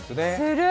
する！